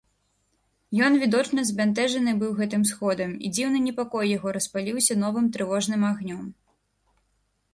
Ён відочна збянтэжаны быў гэтым сходам, і дзіўны непакой яго распаліўся новым трывожным агнём.